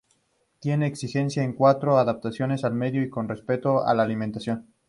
Tiene exigencias en cuanto a adaptación al medio y con respecto a la alimentación.